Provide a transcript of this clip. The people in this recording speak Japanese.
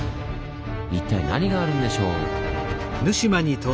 一体何があるんでしょう？